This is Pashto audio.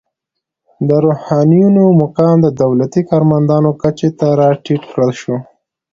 د روحانینو مقام د دولتي کارمندانو کچې ته راټیټ کړل شو.